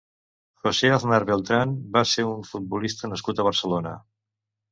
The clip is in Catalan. José Aznar Beltrán va ser un futbolista nascut a Barcelona.